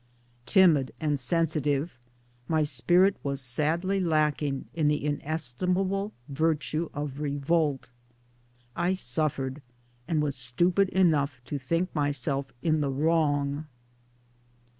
Timid and sensitive, my spirit was sadly lacking in the inestimable virtue of revolt. I suffered and was stupid enough to think myself in the wrong.